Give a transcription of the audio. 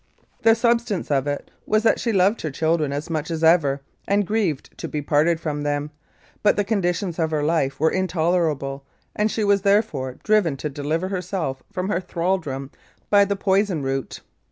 The substance of it was that she loved her children as much as ever and grieved to be parted from them, but the conditions of her life were intolerable, and she was therefore driven to deliver herself from her thraldom by the poison route.